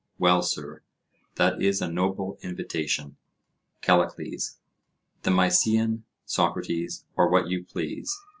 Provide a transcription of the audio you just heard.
well, sir, that is a noble invitation. CALLICLES: The Mysian, Socrates, or what you please.